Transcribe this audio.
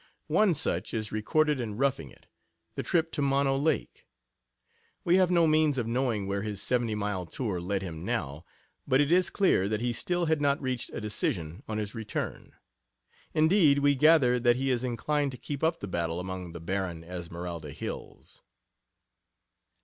One such is recorded in Roughing It, the trip to Mono Lake. We have no means of knowing where his seventy mile tour led him now, but it is clear that he still had not reached a decision on his return. Indeed, we gather that he is inclined to keep up the battle among the barren Esmeralda hills.